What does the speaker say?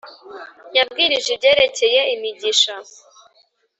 Yabwirije ibyerekeye imigisha .